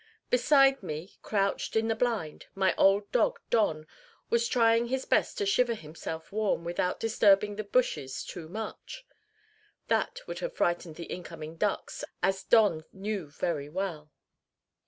Beside me, crouched in the blind, my old dog Don was trying his best to shiver himself warm without disturbing the bushes too much. That would have frightened the incoming ducks, as Don knew very well.